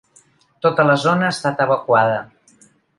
Tota la zona ha estat evacuada.